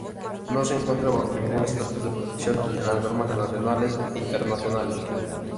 No se encuentra bajo ningún estatus de protección en las normas nacionales e internacionales.